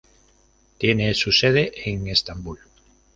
Tiene su sede en Estambul.